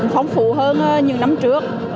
phóng phủ hơn những năm trước